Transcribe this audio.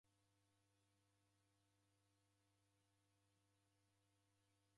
Naw'ebora na Mwaluma